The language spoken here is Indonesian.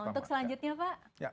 untuk selanjutnya pak